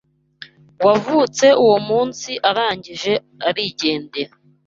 wavutse uwo munsi arangije arigendera